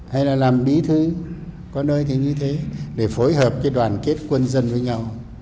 hay là làm bí thư có nơi thì như thế để phối hợp cái đoàn kết quân dân với nhau